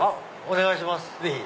お願いします。